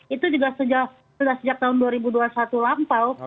itu juga sudah sejak tahun dua ribu dua puluh satu lampau